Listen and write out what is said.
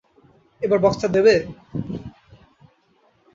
এবার বক্সটা দেবে?